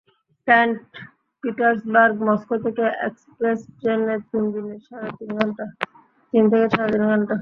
Saint Petersburg Moscow থেকে express ট্রেনে তিন থেকে সাড়ে তিন ঘণ্টা।